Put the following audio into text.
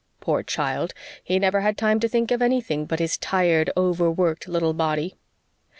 Poor child, he never had time to think of anything but his tired, overworked little body.